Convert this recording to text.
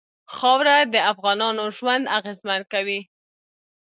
خاوره د افغانانو ژوند اغېزمن کوي.